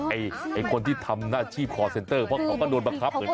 ไอ้คนที่ทำหน้าที่คอร์เซ็นเตอร์เพราะเขาก็โดนบังคับเหมือนกัน